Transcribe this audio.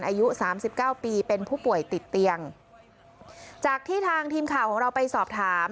อายุสามสิบเก้าปีเป็นผู้ป่วยติดเตียงจากที่ทางทีมข่าวของเราไปสอบถาม